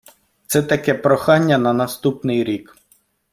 Це таке прохання на наступний рік.